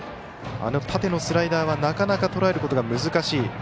縦のスライダーはなかなかとらえることが難しい。